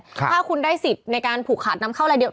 ถ้าคุณได้สิทธิ์ในการผูกขาดนำเข้ารายเดียว